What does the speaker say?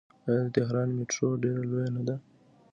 آیا د تهران میټرو ډیره لویه نه ده؟